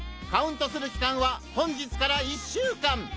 カウントする期間は本日から１週間！